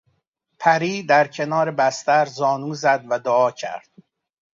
پری در کنار بستر زانو زد و دعا کرد.